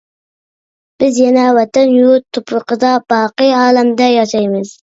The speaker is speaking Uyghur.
بىز يەنە ۋەتەن، يۇرت تۇپرىقىدا باقى ئالەمدە ياشايمىز.